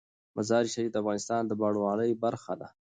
مزارشریف د افغانستان د بڼوالۍ برخه ده.